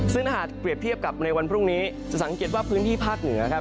ซึ่งถ้าหากเปรียบเทียบกับในวันพรุ่งนี้จะสังเกตว่าพื้นที่ภาคเหนือครับ